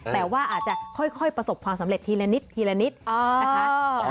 แต่ว่าอาจจะค่อยประสบความสำเร็จทีละนิดทีละนิดนะคะ